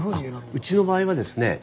うちの場合はですね